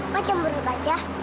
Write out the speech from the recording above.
kok cemberi baca